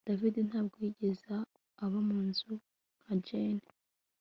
David ntabwo yigeze aba munzu nka Jane